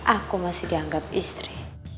aku masih dianggap istri